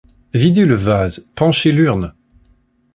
Videz le vase ! penchez l’urne !